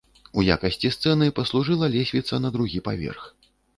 У якасці сцэны паслужыла лесвіца на другі паверх.